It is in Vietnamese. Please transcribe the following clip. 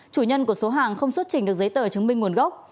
chủ nhân của số hàng không xuất trình được giấy tờ chứng minh nguồn gốc